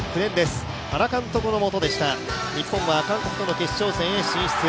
原監督のもとでした、日本は韓国との決勝戦に進出。